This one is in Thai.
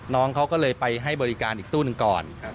น้องเขาก็เลยไปให้บริการอีกตู้หนึ่งก่อน